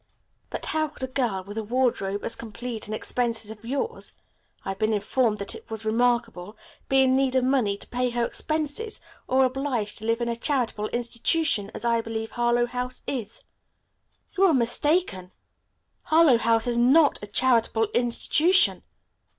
"But how could a girl with a wardrobe as complete and expensive as yours I have been informed that it was remarkable be in need of money to pay her expenses, or obliged to live in a charitable institution, as I believe Harlowe House is?" "You are mistaken. Harlowe House is not a charitable institution!"